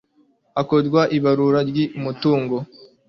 hakorwa ibarura ry umutungo